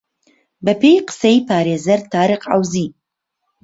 بە پێی قسەی پارێزەر تاریق عەوزی